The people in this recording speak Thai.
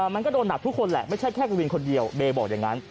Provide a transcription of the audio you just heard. มันก็โดนหนักทุกคนแหละไม่ใช่แค่กวินคนเดียวเบย์บอกอย่างนั้น